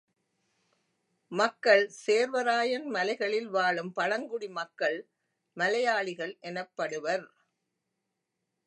மக்கள் சேர்வராயன் மலைகளில் வாழும் பழங்குடி மக்கள் மலையாளிகள் எனப்படுவர்.